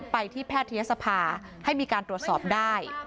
ไปที่แพทยศภาให้มีการตรวจสอบได้